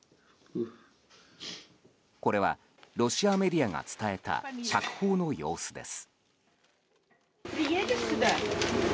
これはロシアメディアが伝えた釈放の様子です。